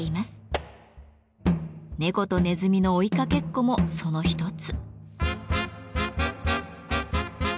猫とねずみの追いかけっこもその一つ。